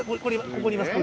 ここにいます。